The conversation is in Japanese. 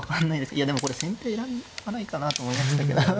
いやでもこれ先手選ばないかなと思いましたけど。